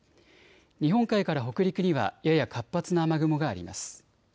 日本海から北陸にはやや活発な雨雲があります。